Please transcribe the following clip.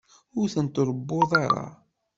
Ur ten-tṛewwuḍ ara.